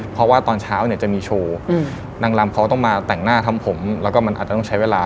เพราะว่าตอนเช้าเนี่ยจะมีโชว์นางลำเขาต้องมาแต่งหน้าทำผมแล้วก็มันอาจจะต้องใช้เวลา